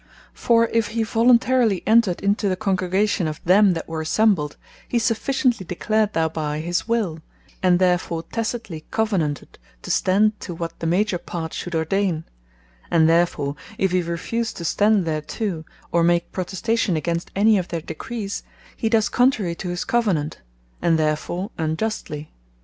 For if he voluntarily entered into the Congregation of them that were assembled, he sufficiently declared thereby his will (and therefore tacitely covenanted) to stand to what the major part should ordayne: and therefore if he refuse to stand thereto, or make Protestation against any of their Decrees, he does contrary to his Covenant, and therfore unjustly.